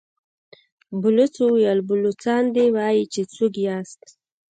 بلوڅ وويل: بلوڅان دي، وايي چې څوک ياست؟